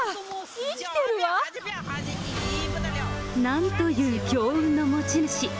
なんという強運の持ち主。